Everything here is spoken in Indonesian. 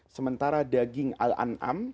sementara daging al an'am